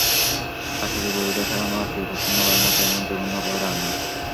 শাসকের বিরুদ্ধাচরণ ও আত্মীয়তা ছিন্ন করার মত এমন জঘন্য অপরাধ আর নেই।